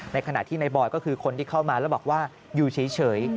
ในขณะที่ในบอยก็คือคนที่เข้ามาแล้วบอกว่าอยู่เฉย